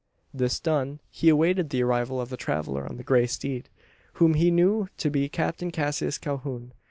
This done, he awaited the arrival of the traveller on the grey steed whom he knew to be Captain Cassius Calhoun.